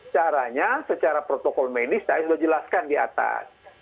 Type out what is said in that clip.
caranya secara protokol medis saya sudah jelaskan di atas